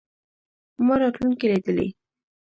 ما راتلونکې لیدلې.